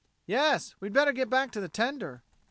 "Yes. We'd better get back to the tender."